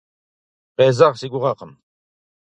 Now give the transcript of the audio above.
Къезэгъ си гугъэкъым.